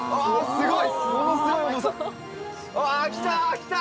すごい！